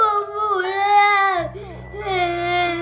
guntur mau pulang